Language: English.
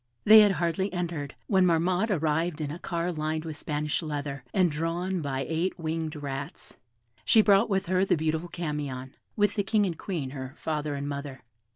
They had hardly entered, when Marmotte arrived in a car lined with Spanish leather, and drawn by eight winged rats. She brought with her the beautiful Camion, with the King and Queen, her father and mother.